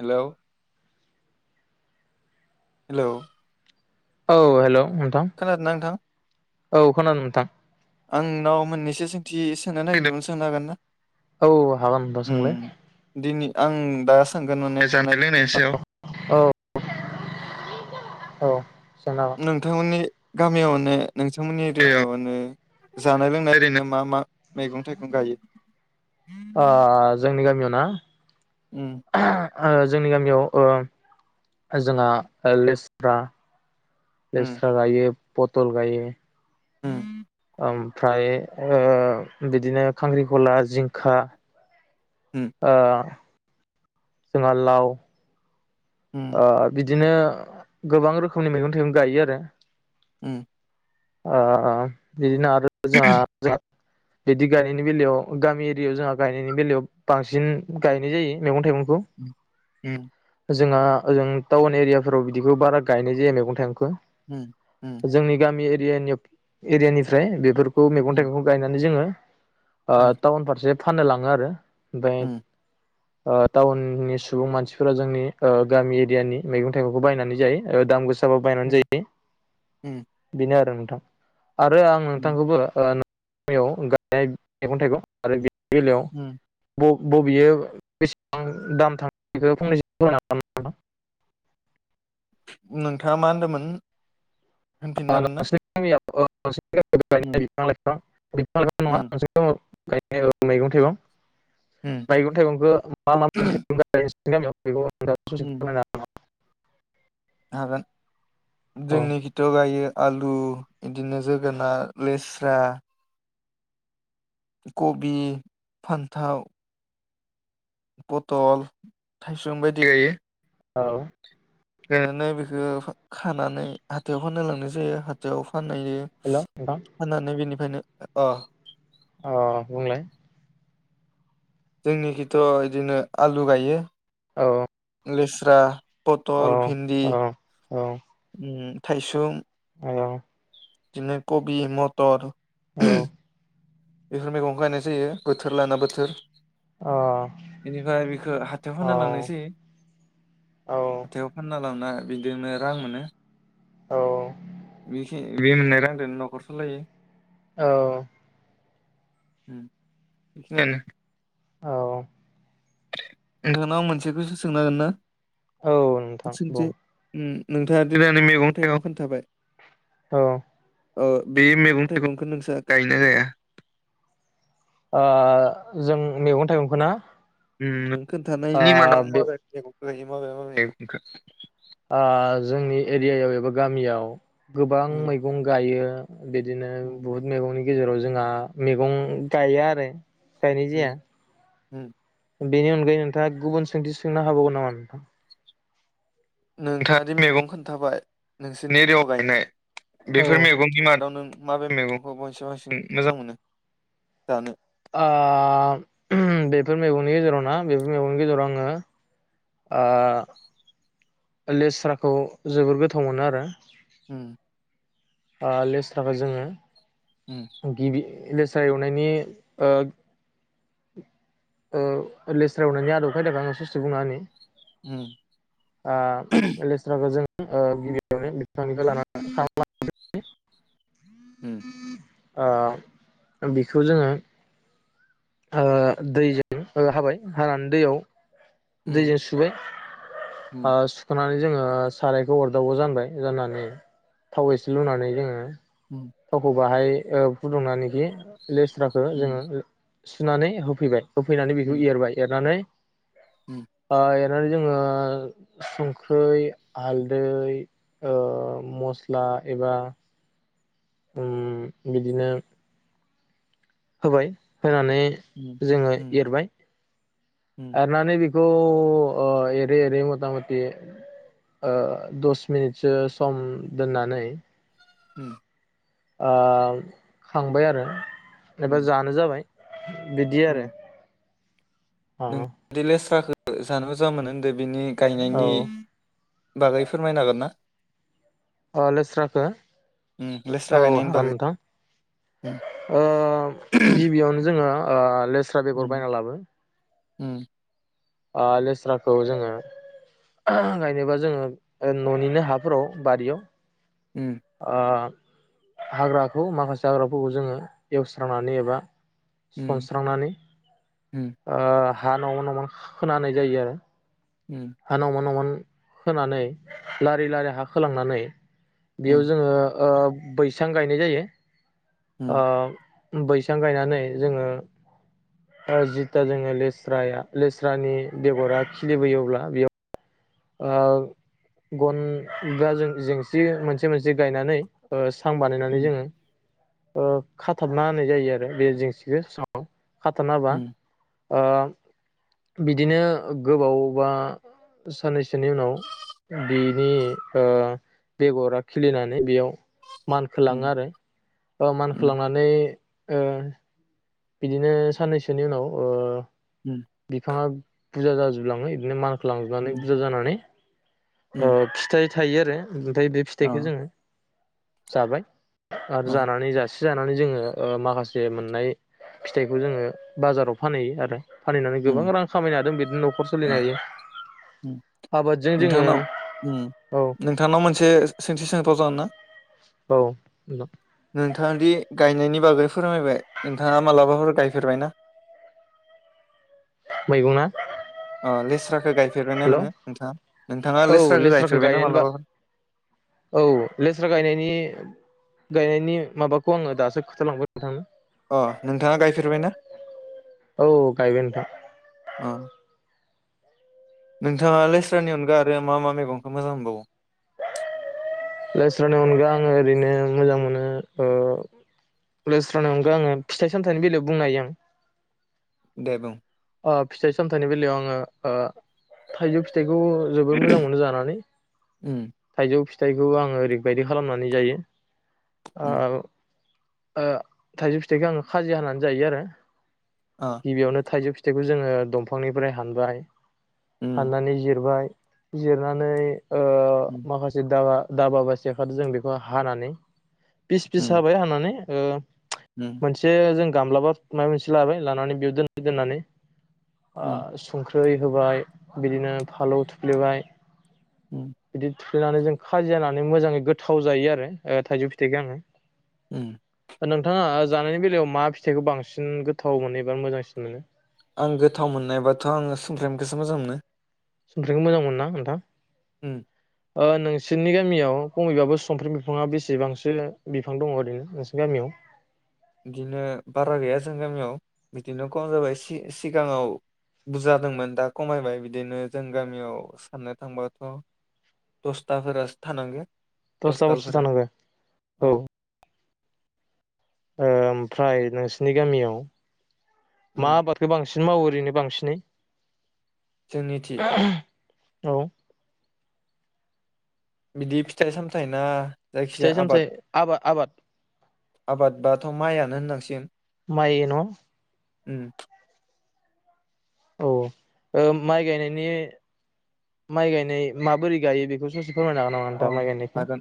Hello hello औ hello नोंथां खोनादों ना नोंथां? औ खोनादों नोंथां आंनोंनाव मोननैसो सोंथि सोंनो नागिरदोंमोन सोंनो हागोन ना? औ हागोन नोंथां‌ उम सोंलाय दिनै आं दा सोंगोन माने जानाय लोंनाय सयाव औ औ जोंना नोंथांमोननि गामियावनो नोंथांमोननि एरियावनो जानाय लोंनाय ओरैनो मा मा मैगं थाइगं गायो? ओ जोंनि गामियाव [unintelligible] उम जोंनि गामियाव ओ जोंहा लेसफ्रा उम लेस्रा गायो। पटल गायो। उम ओमफ्राय ओ बिदिनो खांख्रिघला जिंखा ओ जोंहा लाव उम अ बिदि बिदिनो गोबां रोखोमनि मैगं थाइगं गायो आरो उम आ बिदिनो [unintelligible] बिदि गायनायनि बेलायाव गामि एरियायाव जोंहा गायनायनि बेलायाव बांसिन गायनाय जायो मैगं थाइगं [unintelligible] उम उम जोंहा ओजों टाउन एरियाफोराव बिदिखौ बारा गायनाय जाया मैगं थाइगं खो उम जोंनि गामि एर दिएनिउख एरियानिफ्राय बेफोर खौ उम मैगं थाइगंखौ गायनानै जोङो ओ उम थाउन फारसे फाननो लाङो आरो। ओमफाय ओ टाउननि सुबुं मानसि फोरा जोंनि ओ गामि एरियानि मैगं थाइगंखौ बायनानै जायो ओ दाम गोस साबाबो बायनानै उम जायो बेनो आरो। थां आरो आं उम उम नोंथांखौबो ओ नायाव गायनाय मैगं थाइगं आरो गेलेयाव उम ब बबेयो बेसेबां दाम थां बेखौ फंनैसो होनो हागोन नामा? नोंथाङा मा होनदोंमोन? न होनफिननो [unintelligible] हागोन अ [unintelligible] ना? [unintelligible] उम बिफां लाइफां बिफां लाइफां नङा उम नों [unintelligible] गायनाय औ मैगं थाइगं उम मैगं थाइगंखौ मा मा मैगं थाइगं उम गाय न [unintelligible] [unintelligible] हागोन जोंनि खिथियाव गायो। आलु, बिदिनो जोगोनार, लेस्रा खबि, फान्थाव पथल, थाइसुम बायदि गायो। औ गायनानै बेखौ खानानै हाथायाव फाननो लांनाय जायो। हाथायाव फानहैयो हेल' नोंथां फाननानै बेनिफायनो अ' अ' बुंलाय जोंनिखिथ' बिदिनो आलु गायो। औ लेस्रा औ पटल, भिन्दि औ औ उम थाइसुम। औ। बिदिनो कबि मथर औ। बेफोर मैगंखौ गायनाय जायो बोथोर लाना बोथोर। बेनिफ्राय बेखौ हाथायाव फानना लांनाय जायो औ हाथायाव फानना लांना बिदिनो रां मोनो। बिखि बे मोननाय रांजोंनो न'खर सलायो। औ। उम बेखिनियानो। औ। नोंथांनाव मोनसे कुइसन सोंनो हागोन ना? औ नोंथां सोंथि बुं। उम नोंथाङा दैलांनि मैगं थाइगं खोन्थाबाय । औ। औ बे मैगं थाइगंखौ नोंसा गायोना गाया? ओ जों मैगं थाइगंखौ ना? उम नों ओ खोन्थानायनि मादाव बे माबे मैगं [unintelligible] आ जोंनि एरियायाव एबा गामियाव गोबां उम मैगं गायो ‌। बिदिनो उम बहुत मैगंनि गेजेराव जोंहा मैगं गाया आरो। गायनाय जाया उम उम। बेनि अनगायै नोंथाङा गुबुन सोंथि सोंनो हाबावगोन नामा नोंथां? नोंथाङा दि मैगं खोन्थाबाय नोंसोरनि एरियायाव गायनाय औ बेफोर मैगंनि मादाव नों माबे मैगंखौ [unintelligible] मोजां मोनो जानो? आ उम बेफोर मैगंनि गेजेराव ना बेफोर मैगंनि गेजेराव आङो आ लेस्राखौ जोबोर गोथाव मोनो आरो। उम। ओ लेस्राखौ उम जोङो गिबि लेस्रा एवनायनि ओ ओ लेस्रा एवनायनि आदब खायदाखौ आङो स'से बुंना होनि। उम आ लेस्राखौ जों ओ गिबियावनो बिफांनिफ्राय लानानै [unintelligible] उम। ओ बिखौ जोङो ओ दैजों ओ हाबाय हानानै दैयाव दैजों सुबाय ओ उम सुखाना ओमफाय जोङो सारायखौ अरदाबाव जानबाय जाननानै थाव एसे लुनानै जोङो उम थावखौ बाहाय ओ फुदुंनानैखि लेस्राखो जोङो उम सुनानै होफैबाय। होफैनानै उम बेखौ एरबाय एरनानै आ [unintelligible] दा जोङो संख्रै, हालदै ओ मस्ला एबा उम बिदिनो होबाय होनानै उम जोङो उम एरबाय। उम एरनानै बेखौ थ' ओ एरै एरै मथा मथि ओ दस मिनिटसो सम दोननानै उम। ओ खांबाय आरो एबा उम जानो जाबाय बिदि आरो। अ दि लेस्राखो जानो मोजां मोनो होनदो बिनि औ गायनायनि बागै फोरमायनो हागोन ना? ओ लेस्राखो उम लेस्रा औ गायनायनि हागोन बागै उम नोंथां। ओ गिबियावनो जोङो ओ लेस्रा बेगर उम बायना लाबो उम। ओ लेस्राखौ जोङो गायनोबा जोङो ओ न'निनो हाफोराव बारियाव उम ओ हाग्राखौ माखासे हाग्राफोरखौ जोङो एवस्रांनानै एबा उम सनस्रांनानै उम ओ हा न'मा न'मा खोना होनाय जायो आरो। उम हा नौमान नौमान होनानै लारि लारि हा खोलांनानै बेयाव जोङो ओ बैसां गायनाय जायो । उम ओ बैसां गायनानै जोङो जिथा जोङो लेस्राया लेस्रानि बेग'रा खिलिबोयो अब्ला बेयाव ओ गन जा जेंसि मोनसे मोनसे गायनानै ओ सां बानायनानै उम उम जोङो ओ खाथाबना होनाय जायो आरो बे जेंसिखौ सायाव खाथाबना होबा ओ बिदिनो गोबाव बा साननैसोनि उनाव बिनि ओ बेग'रा खिलिनानै बेयाव उम मानखोलाङो आरो ओ उम मानखोलांनानै ओ बिदिनो साननैसोनि उनाव ओ उम बिफाङा बुजा जाजोबलाङो बिदिनो माल खौ लांनानै उम बुजा जानानै ओ उम फिथाइ थायो आरो। ओमफाय बे अ फिथाइखौ जोङो जाबाय आरो अ जानानै जास जानानै जोङो ओ माखासे मोननाय फिथाइखौ जोङो बाजाराव फानहैयो आरो। फानहैनानै उम गोबां रां खामायनो हादों बिदिनो न'खर सोलिनो हायो उम उम आबादजों जोङो नोंथांनाव उम औ नोंथांनाव मोनसे सोंथि सोंथाव जागोन ना? औ नोंथाङादि गायनायनि बागै फोरमायबाय नोंथाङा मालाबाफोर गायफेरबायना? मैगं ना? अ लेस्राखौ गायफेरबायना हेल' नोङो औ नोंथाङा नोंथाङा लेस्राखौ गायफेरबायना गायनायनि बा मालाबाफोर? औ लेस्रा गायनायनि गायनायनि माबाखौ आङो दासो खोथालांबाय नोंथांनो । अ नोंथाङा गायफेरबाय ना? औ गायबाय नोंथां। अ नोंथाङा लेस्रानि अनगा आरो मा मा मेगंखौ मोजां मोनबावो? लेस्रानि अनगा आङो ओरैनो मोजां मोनो ओ लेस्रानि अनगा आङो फिथाइ सामथाइनि बेलायाव बुंनो हायो आं। दे बुं ओ फिथाइ सामथाइनि बेलायाव आङो ओ थाइजौ फिथाइ खौ जोबोर मोनो जानानै उम थाइजौ फि बेखौ आङो ओरैबायदि खालामनानै जायो आ उम ओ थाइजौ फिथाइखौ आङो खाजि हानानै जायो आरो अ गिबियावनो थाइजौ फिथाइखौ फिथाइखौ जोङो दंफांनिफ्राय हानबाय उम हाननानै जिरबाय जिरनानै ओ उम माखासे दाबा दाबा एबा सिखोजों जों बेखौ हानानै फिसा फिसा उम हाबाय हानानै ओ उम मोनसे जों गामलाबा माबा मोनसे लाबाय लानानै बेयाव दोन दोननानै उम ओ संख्रि दै होबाय बिदिनो फानलौ थुफ्लेबाय औ थुफेनानै जों खाजि जानानै मोजाङै गोथाव जायो आरो थाइजौ फिथाइखौ आङो उम नोंथाङा जानायनि बेलायाव मा फिथाइखौ बांसिन गोथाव मोनो एबा मोजांसिन मोनो आं गोथाव मोननायबाथ' आङो समफ्राम फिथाइखौसो मोजां मोनो समफ्रामखौ मोजां मोनोना नोंथाङा उम नोंसोरनि गामियाव खमैबाबो समफ्राम बिफाङा बेसेबांसो बिफां दङ ओरैनो नोंसोरनि गामियाव बिदिनो बारा गैया जों गामियाव बिदिनो खम जाबाय सिगाङाव बुरजा जादोंमोन दा खमायबाय बिदिनो जों गामियाव साननो थांबाथ' दसथासो थानांगौ दस थाफोरसो थानांगोन औ ओ ओमफ्राय नोंसिनि गामियाव उम मा बाथोराव बांसिन मावो ओरैनो बांसिनै जोंनिथिं औ बिदि फिथाइ सामथाइ ना जायखिजाया फिथाइ आबाद सामथाइ आबाद आबाद आबाद बाथ' माइआनो होननांसिगोन माइ गायोन' उम औ ओ माइ गायनाइनि माइ गायनाइ माबोरै गायो बेखौ ससे फोरमायनो हागोन नामा अ नोंथाङा माइ गायनायखौ हागोन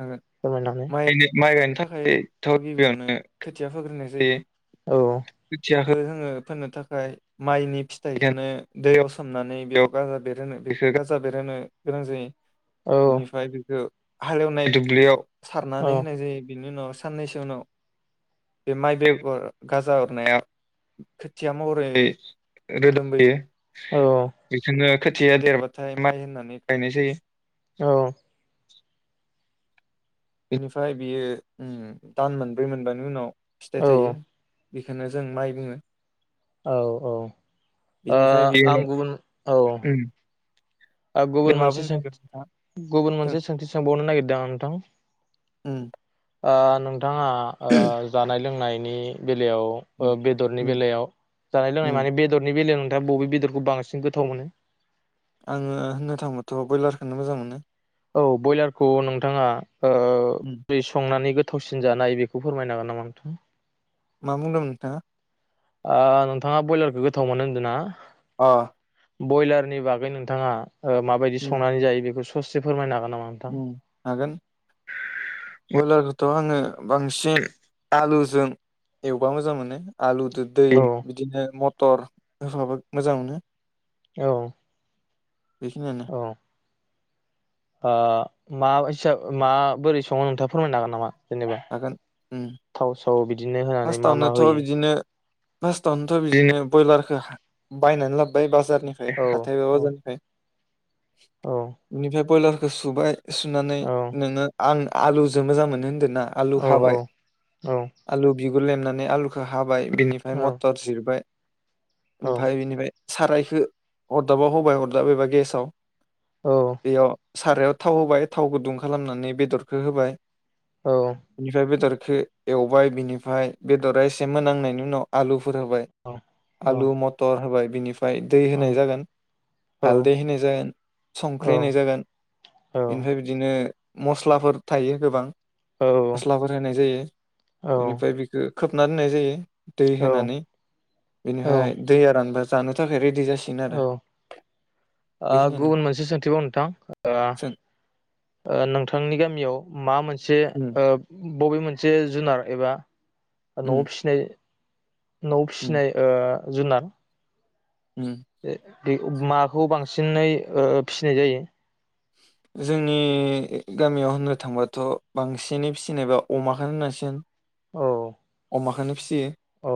हागोन फोरमायनानै माइ माइ गायनो थाखायथ' गिबियावनो खोथिया फोग्रोनाय जायो औ खोथिया जोङो फोननो थाखाय माइनि फिथाइखौनो दैयाव सोमनानै बेयाव गाजा बेरहोनो बेखौ गाजा बेरहोनो गोनां जायो। औ बेनिफ्राय बेखौ हालेवनाय दुब्लियाव औ सारनानै होनाय जायो बिनि उनाव साननैसो उनाव बे माइ बेगर गाजा अरनाया खोथिया महरै रोदोमबोयो। औ बेखोनो खोथिया देरबाथाय माइ होननानै गायनाय जायो। औ बेनिफ्राय बियो उम दान मोनब्रै मोनबानि उनाव फिथाइ औ थायो। बेखौनो जों माइ बुङो। औ औ ओ बेनिफ्राय बेयो आं गुबुन उम औ दे गुबुन मा मोनसे बुंनो नागिरदों नोंथाङा सोंथि गुबुन जों मोनसे सोंथि सोंबावनो नागिरदों आं नोंथां। उम आ नों थाङा ओ जानाय लोंनाय नि बेलायाव ओ उम बेदरनि उम बेलायाव जानाय लोंनाय उम, माने बेदरनि बेलायाव दा बबे बेदरखौ बांसिन गोथाव मोनो? आङो होननो थांबाथ' ब्रयलारखौनो मोजां मोनो। औ बयलारखौ नोंथाङा ओ उम बे संनानै गोथ थावसिन जानो हायो बेखौ फोरमायनो हागोन नामा नोंथां? मा बुंदोंमोन नोंथाङा? आ नोंथाङा बयलारखौ गोथाव मोनो होनदों ना? अ बयलारनि बागै नोंथाङा ओ माबादि उम संनानै जायो बेखौ [unintelligible] ससे फोरमायनो हागोन नामा नोंथां? उम हागोन बयलार थ' आङो बांसिन आलुजों एवबा मोजां मोनो। आलुदो दै औ बिदिनो म टर होफाबाबो मोजां मोनो। औ। बेखिनानो। अ मा हिसाब माबोरै सङो नोंथाङा फोरमायनो हागोन नामा? जेनेबा हागोन उम थाव साव बिदिनो होनानै मा मा फार्स्टावनोथ' होयो? बिदिनो फार्स्टआवनोथ' बिदिनो ब्रयलारखौ बायनानै लाबोबाय बाजार निफ्राय औ हाथायबा औ बाजारनिफ्राय ओ निफ्राय ब्रयलार सुबाय सुनानै नोङो आं आलुजों मोजां मोनो होन्दो ना आलु हाबाय आलु बि लेमनानै आलुखौ हा हाबाय बिनिफ्राय मथर जिरबाय ओमफ्राय इनिफ्राय सारायखौ अरदाबाव होबाय अरदाब एबा गेसाव बेयाव सारायाव थाव होबाय थाव गुदुं खालामनानै बेदरखो होबाय निफाय बेदर खो एवबाय बिनिफाय बेदरा एसे मोनांनायनि उनाव आलु फोर होबाय आलु मथर होबाय बिनि ओमफाय दै होनाय जागोन हालदै होनाय जागोन संख्रि होनाय जागोन ओमफ्राय बिदिनो मस्लाफोर थायो गोबां मस्लाफोर होनाय जायो बेनिफ्राय बेखो खोबना दोननाय जायो दै होनानै बिनिफाय दैया रानबा जानो थाखाय रेडि जा औ ओ बेखिनियानो गुबुन मोनसे सोंथिबाव नोंथां ओ जों ओ नोंथांनि गामियाव मा मोनसे उम ओ बबे मोनसे जुनार एबा न'आव उम फिसिनाय न'आव उम फिसिनाय ओ जुनार उम बे बे माखौ बां बांसिनै ओ फिसिनाय जायो जोंनि गामियाव होननो थांबाथ' बांसिनै फिसिनायबा अमाखौनो होननांसिगोन औ अमाखोनो फिसियो औ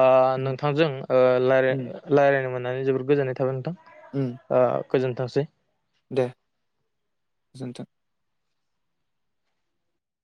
ओ उम नोंथांजों ओ रायलाय उम रायलायनो मोन नानै जोबोर गोजोननाय थाबाय नोंथां उम । ओ गोजोनथोंसै दे गोजोनथों ।